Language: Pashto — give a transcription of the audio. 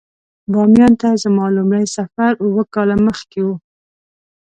باميان ته زما لومړی سفر اووه کاله مخکې و.